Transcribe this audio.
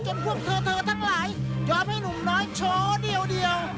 เป็นพวกเถอะเถอะทั้งหลายจอบให้หนุ่มน้อยโชว์เดียว